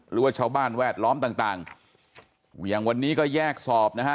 หรือว่าชาวบ้านแวดล้อมต่างต่างอย่างวันนี้ก็แยกสอบนะฮะ